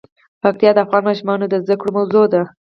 پکتیا د افغان ماشومانو د زده کړې موضوع ده.